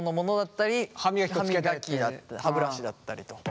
歯ブラシだったりと。